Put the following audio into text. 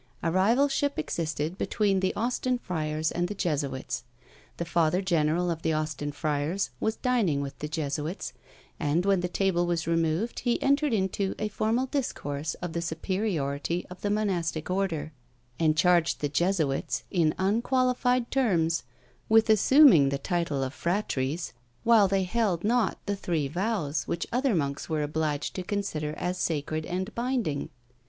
A rivalship existed between the Austin friars and the Jesuits. The father general of the Austin friars was dining with the Jesuits; and when the table was removed, he entered into a formal discourse of the superiority of the monastic order, and charged the Jesuits, in unqualified terms, with assuming the title of "fratres," while they held not the three vows, which other monks were obliged to consider as sacred and binding.